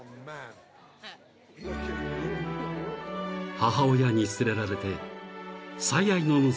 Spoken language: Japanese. ［母親に連れられて最愛の娘